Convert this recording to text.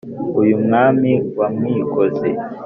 uyu mwami wa mwikozi